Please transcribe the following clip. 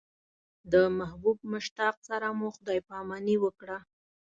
د محبوب مشتاق سره مو خدای پاماني وکړه.